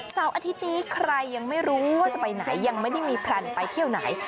อาทิตย์นี้ใครยังไม่รู้ว่าจะไปไหนยังไม่ได้มีแพลนไปเที่ยวไหน